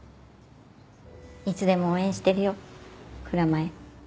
いつでも応援してるよ蔵前。